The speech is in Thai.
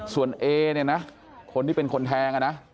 ส่วนเอเนี่ยนะคนที่เป็นคนแทงอ่ะนะ